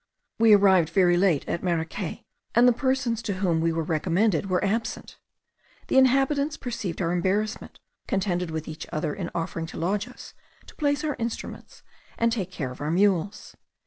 We arrived very late at Maracay, and the persons to whom we were recommended were absent. The inhabitants perceiving our embarrassment, contended with each other in offering to lodge us, to place our instruments, and take care of our mules.